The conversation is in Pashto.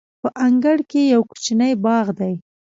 په انګړ کې یو کوچنی باغ دی.